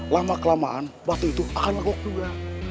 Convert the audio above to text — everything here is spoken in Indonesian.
lama kelamaan batu itu akan lengok juga